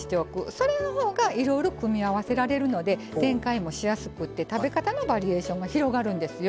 それの方がいろいろ組み合わせられるので展開もしやすくて食べ方のバリエーションも広がるんですよ。